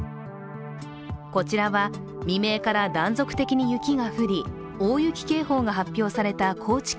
こちらは未明から断続的に雪が降り、大雪警報が発表された高知県。